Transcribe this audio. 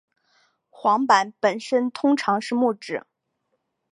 晃板本身通常是木制。